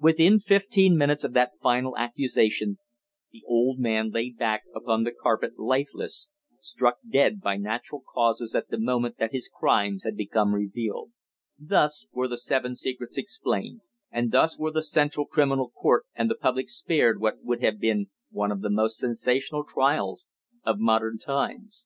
Within fifteen minutes of that final accusation the old man lay back upon the carpet lifeless, struck dead by natural causes at the moment that his crimes had become revealed. Thus were the Seven Secrets explained; and thus were the Central Criminal Court and the public spared what would have been one of the most sensational trials of modern times.